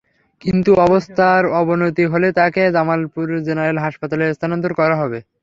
কিন্তু অবস্থার অবনতি হলে তাঁকে জামালপুর জেনারেল হাসপাতালে স্থানান্তর করা হয়।